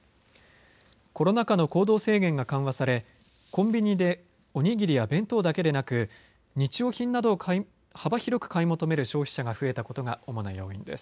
コロナ禍の行動制限が緩和されコンビニでお握りや弁当だけでなく日用品などを幅広く買い求める消費者が増えたことが主な要因です。